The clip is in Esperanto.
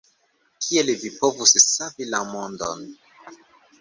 Kiel vi povus savi la mondon?